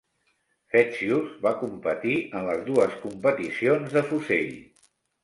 Fetsios va competir en les dues competicions de fusell.